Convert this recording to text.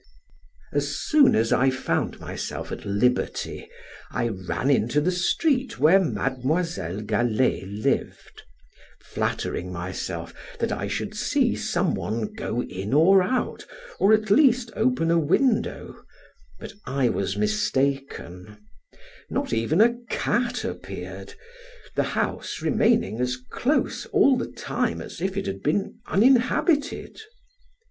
As soon as I found myself at liberty, I ran into the street where Mademoiselle Galley lived, flattering myself that I should see someone go in or out, or at least open a window, but I was mistaken, not even a cat appeared, the house remaining as close all the time as if it had been uninhabited.